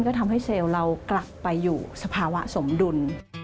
ก็ทำให้เซลล์เรากลับไปอยู่สภาวะสมดุล